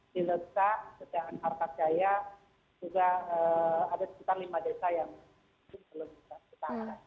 dan di nanggung juga ada sekitar lima desa yang belum terakses